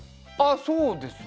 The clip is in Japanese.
そうですね。